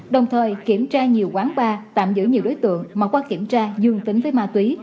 đồng thời kiểm tra nhiều quán bar tạm giữ nhiều đối tượng mà qua kiểm tra dương tính với ma túy